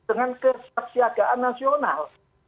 dengan kesaksiaan nasional